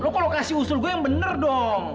lo kok lo kasih usul gue yang bener dong